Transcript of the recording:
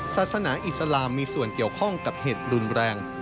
ศาสนาอิสลามมีส่วนเกี่ยวข้องกับเหตุรุนแรง